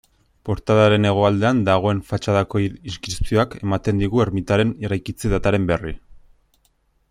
Portadaren hegoaldean dagoen fatxadako inskripzioak ematen digu ermitaren eraikitze-dataren berri.